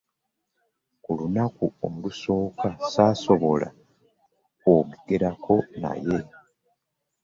Ku lunaku olusooka ssaasobola kwogerako naye.